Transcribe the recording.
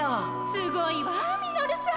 すごいわミノルさん。